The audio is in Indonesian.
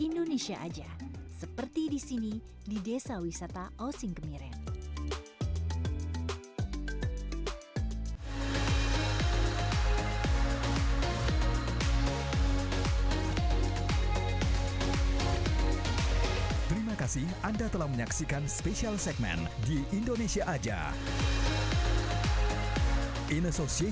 indonesia aja seperti di sini di desa wisata osing kemiren